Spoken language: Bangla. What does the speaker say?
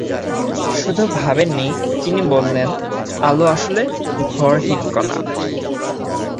শুধু ভাবেননি, তিনি বললেন, আলো আসলে ভরহীন কণা।